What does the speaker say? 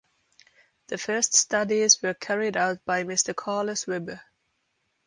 The first studies were carried out by Mister Carlos Weber.